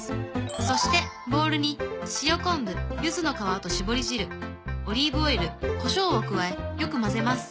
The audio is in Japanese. そしてボウルに塩昆布ゆずの皮と搾り汁オリーブオイルコショウを加えよく混ぜます。